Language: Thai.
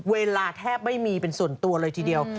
เวลาแทบไม่มีเป็นส่วนตัวเลยทีเดียว